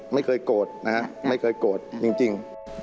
ไม่เคยโกรธนะฮะไม่เคยโกรธจริง